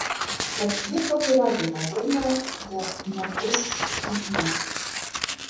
Як дзве кроплі вады падобная да нябожчыцы маці.